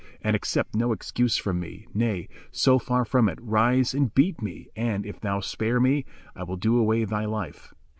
And accept no excuse from me; nay, so far from it, rise and beat me; and, if thou spare me, I will do away thy life.